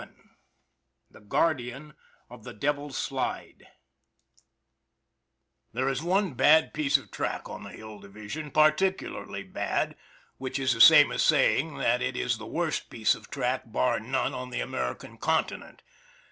VII THE GUARDIAN OF THE DEVIL'S SLIDE THERE is one bad piece of track on the Hill Division, particularly bad, which is the same as saying that it is the worst piece of track, bar none, on the American Continent.